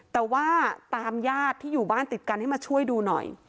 แต่ว่าตามญาติที่อยู่บ้านติดกันให้มาช่วยดูหน่อย